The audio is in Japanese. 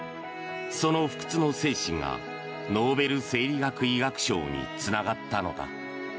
その不屈の精神がノーベル生理学医学賞につながったのだ。